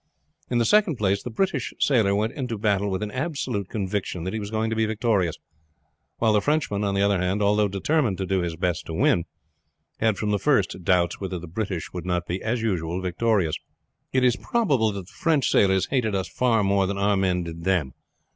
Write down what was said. In the second place the British sailor went into battle with an absolute conviction that he was going to be victorious; while the Frenchman, on the other hand, although determined to do his best to win, had from the first doubts whether the British would not be as usual victorious. It is probable that the French sailors hated us far more than our men did them.